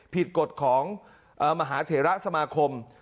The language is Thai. กฎของมหาเถระสมาคม